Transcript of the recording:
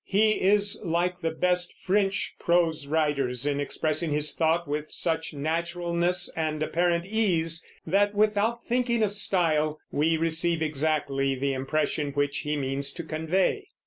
He is like the best French prose writers in expressing his thought with such naturalness and apparent ease that, without thinking of style, we receive exactly the impression which he means to convey.